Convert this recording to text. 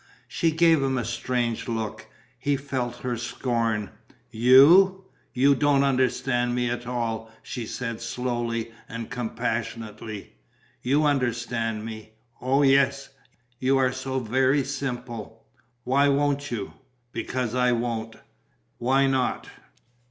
She gave him a strange look. He felt her scorn. "You ... you don't understand me at all," she said, slowly and compassionately. "You understand me." "Oh, yes! You are so very simple!" "Why won't you?" "Because I won't." "Why not?"